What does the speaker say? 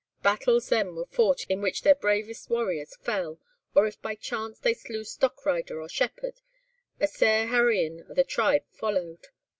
Battles then were fought in which their bravest warriors fell; or if by chance they slew stockrider or shepherd, a sair harryin' o' the tribe followed.